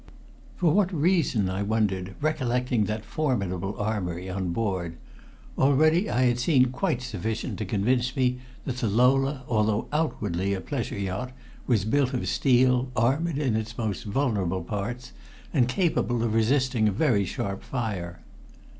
For what reason, I wondered, recollecting that formidable armory on board. Already I had seen quite sufficient to convince me that the Lola, although outwardly a pleasure yacht, was built of steel, armored in its most vulnerable parts, and capable of resisting a very sharp fire.